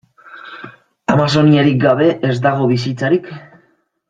Amazoniarik gabe ez dago bizitzarik.